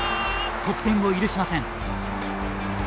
得点を許しません。